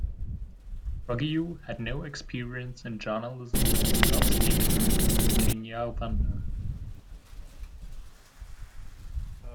Ruggiu had no experience in journalism and did not speak Kinyarwanda.